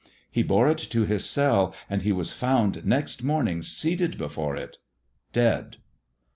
He bore it to his c and he was found next morning seated before it — dead."